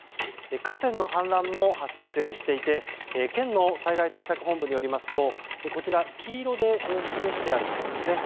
河川の氾濫も発生していて県の災害対策本部によりますと黄色で示してあるところですね。